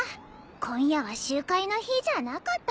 今夜は集会の日じゃなかったさ。